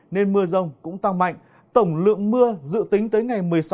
nên mưa rông cũng tăng mạnh tổng lượng mưa dự tính tới ngày một mươi sáu